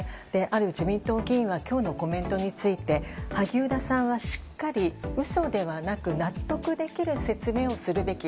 ある自民党議員は今日のコメントについて萩生田さんはしっかり嘘ではなく納得できる説明をするべき。